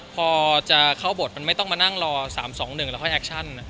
พอจะเข้าบทมันไม่ต้องมานั่งรอ๓๒๑แล้วค่อยแอคชั่น